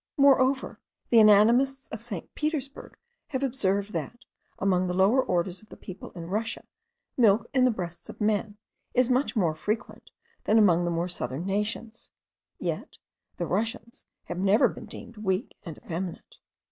Moreover, the anatomists of St. Petersburgh have observed that, among the lower orders of the people in Russia, milk in the breasts of men is much more frequent than among the more southern nations: yet the Russians have never been deemed weak and effeminate.